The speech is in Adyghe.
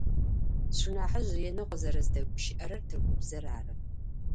Сшынахьыжъ ренэу къызэрэздэгущыӏэрэр тыркубзэр ары.